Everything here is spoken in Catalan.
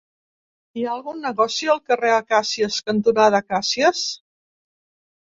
Hi ha algun negoci al carrer Acàcies cantonada Acàcies?